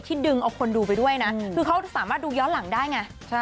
ดึงเอาคนดูไปด้วยนะคือเขาสามารถดูย้อนหลังได้ไง